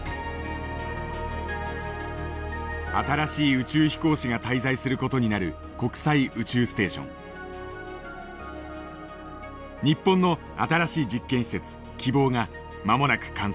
新しい宇宙飛行士が滞在する事になる日本の新しい実験施設きぼうが間もなく完成する。